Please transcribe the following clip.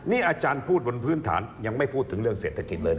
นี่อาจารย์พูดบนพื้นฐานยังไม่พูดถึงเรื่องเศรษฐกิจเลยนะ